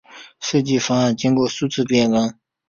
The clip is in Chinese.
设计方案经过数次变更。